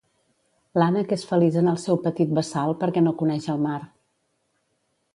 L'ànec és feliç en el seu petit bassal perquè no coneix el mar.